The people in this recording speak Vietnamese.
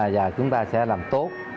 và chúng ta sẽ làm tốt